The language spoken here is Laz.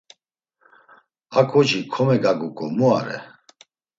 “A ǩoçi komegaguǩo mu are?”